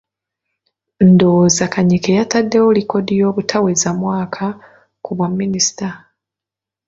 Ndowooza Kanyike yataddewo likodi ey’obutaweza mwaka ku bwa Minisita.